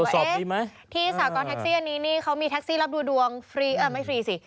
เอ๊ะที่สากรแท็กซี่อันนี้นี่เขามีแท็กซี่รับดูดวงฟรีเออไม่ฟรีสิ